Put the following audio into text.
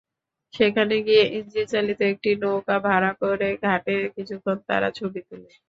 সেখানে গিয়ে ইঞ্জিনচালিত একটি নৌকা ভাড়া করে ঘাটে কিছুক্ষণ তারা ছবি তুলে।